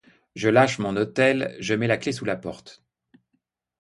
Je lâche mon hôtel, je mets la clef sous la porte.